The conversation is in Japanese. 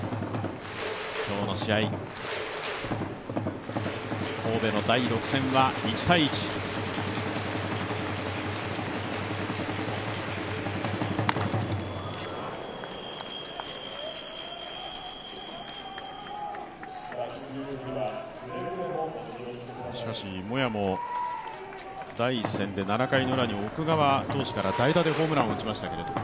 今日の試合、神戸の第６戦は１−１しかしモヤも第１戦で、７回ウラに奥川投手から代打でホームランを打ちましたけど。